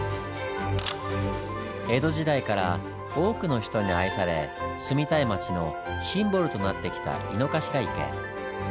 江戸時代から多くの人に愛され住みたい街のシンボルとなってきた井の頭池。